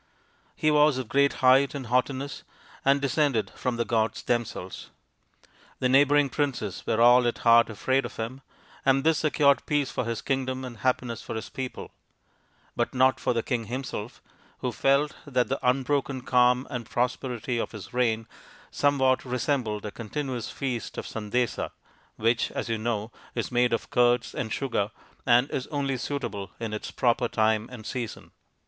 He was of great height and haughtiness, and descended from the gods them selves. The neighbouring princes were all at heart afraid of him, and this secured peace for his kingdom and happiness for his people ; but not for the king himself, who felt that the unbroken calm and prosperity of his reign somewhat resembled a continuous feast of sandesa, which, as you know, is made of curds and sugar, and is only suitable in its proper time and season.